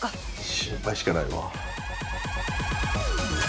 心配しかないわ。